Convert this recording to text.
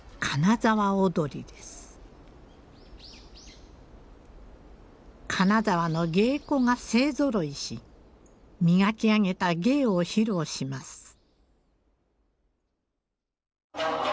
金沢の芸妓が勢ぞろいし磨き上げた芸を披露します。